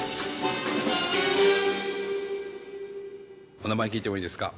お名前聞いてもいいですか？